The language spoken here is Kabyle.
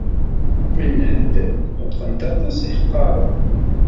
Mennad qellqen-t aṭas yiḥeqqaren.